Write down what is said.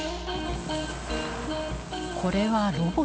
これはロボット？